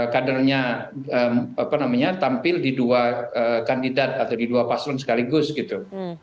kadernya tampil di dua kandidat atau di dua paslon sekaligus gitu